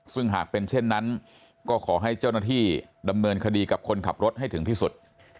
ซึ่งหากเป็นเช่นนั้นก็ขอให้เจ้าหน้าที่ดำเนินคดีกับคนขับรถให้ถึงที่สุด